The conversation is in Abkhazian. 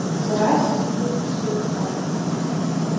Сара исҭахуп суаҩхарц.